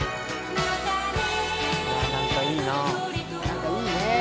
何かいいね。